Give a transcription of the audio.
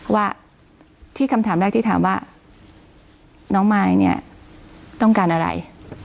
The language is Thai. ว่าที่คำถามแรกที่ถามว่าน้องมายเนี่ยต้องการอะไร